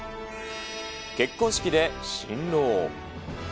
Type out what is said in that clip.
結婚式で新郎を。